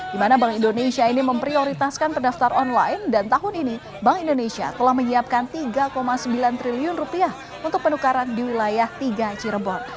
di mana bank indonesia ini memprioritaskan pendaftar online dan tahun ini bank indonesia telah menyiapkan tiga sembilan triliun untuk penukaran di wilayah tiga cirebon